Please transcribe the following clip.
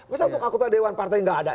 maksudnya untuk anggota dewan partai tidak ada